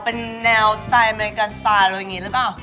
เป็นแนวสไตล์อเมริกันสไตล์อะไรอย่างนี้หรือเปล่า